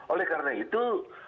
oleh karena itu